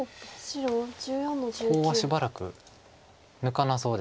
もうコウはしばらく抜かなそうです